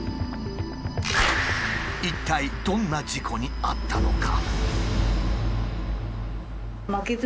一体どんな事故に遭ったのか？